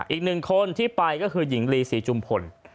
อีกหนึ่งคนที่ไปก็คือหญิงลีศรีจุมพล